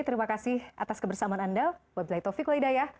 terima kasih atas kebersamaan anda